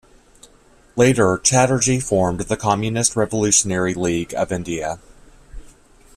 Later Chatterjee formed the Communist Revolutionary League of India.